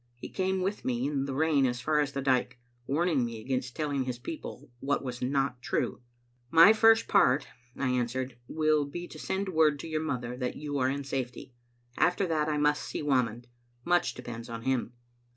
He came with me in the rain as far as the dike, warning me against telling his people what was not true. " My first part," I answered, "will be to send word to your mother that you are in safety. After that I must see Whamond. Much depends on him."